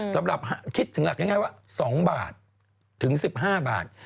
สำหรับคิดถึงหลักง่ายว่า๒บาทถึง๑๕บาท